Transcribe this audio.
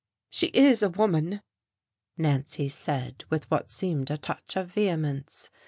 "She is a woman," Nancy said, with what seemed a touch of vehemence.